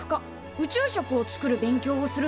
宇宙食を作る勉強をするとこだ。